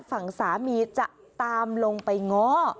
ฝั่งสามีจะตามลงไปง้อ